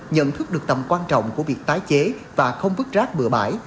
nhận thức được tầm quan trọng của việc tái chế và không vứt rác bừa bãi